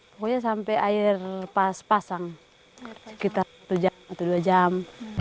pokoknya sampai air pasang sekitar satu jam atau dua jam